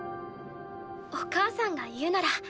お母さんが言うなら。